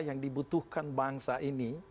yang dibutuhkan bangsa ini